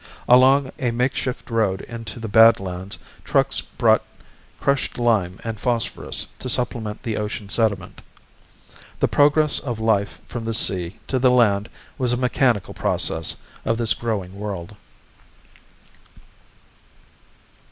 Along a makeshift road into the badlands trucks brought crushed lime and phosphorus to supplement the ocean sediment. The progress of life from the sea to the land was a mechanical process of this growing world.